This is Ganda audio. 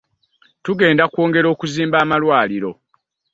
Tugenda kwongera okuzimba amalwaliro.